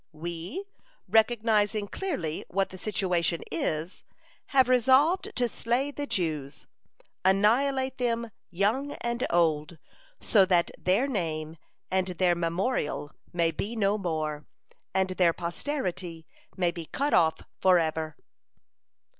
We, recognizing clearly what the situation is, have resolved to slay the Jews, annihilate them, young and old, so that their name and their memorial may be no more, and their posterity may be cut off forever."